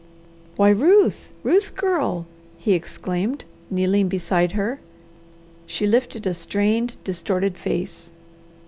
"Why Ruth! Ruth girl!" he exclaimed, kneeling beside her. She lifted a strained, distorted face.